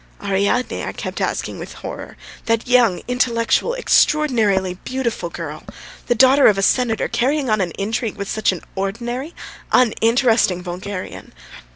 "Ariadne," I kept asking with horror, "that young, intellectual, extraordinarily beautiful girl, the daughter of a senator, carrying on an intrigue with such an ordinary, uninteresting vulgarian?